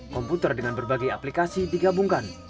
komputer dengan berbagai aplikasi digabungkan